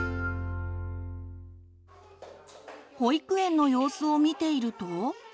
保育園の様子を見ていると。